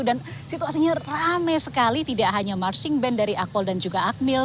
dan situasinya ramai sekali tidak hanya marching band dari akpol dan juga akmil